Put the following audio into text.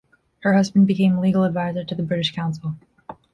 Her husband became legal adviser to the British Council.